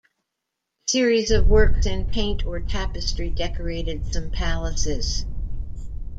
Series of works in paint or tapestry decorated some palaces.